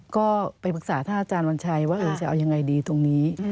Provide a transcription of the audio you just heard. ก็ไปปรึกษาท่านอาจารย์วันชัยว่าจะเอายังไงดีตรงนี้